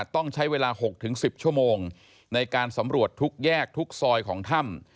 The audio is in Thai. ต้องใช้เวลา๖๑๐ชั่วโมงในการสำรวจทุกแยกทุกซอยของถ้ำ